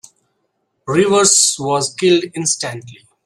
Rivers was killed instantly.